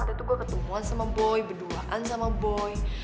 ada tuh gue ketemuan sama boy berduaan sama boy